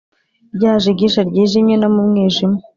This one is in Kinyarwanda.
Ryajigija ryijimye no mu mwijima